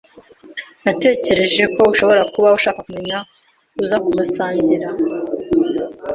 Natekereje ko ushobora kuba ushaka kumenya uza kumusangira.